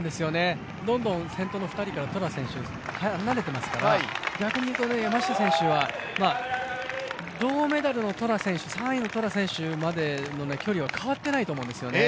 どんどん先頭の２人からトラ選手離れてますから逆に山下選手は銅メダルのトラ選手、３位のトラ選手までの距離は変わっていないんですよね。